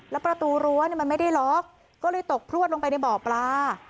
แล้วประตูรั้วมันไม่ได้ล็อกก็เลยตกพลวดลงไปในบ่อปลา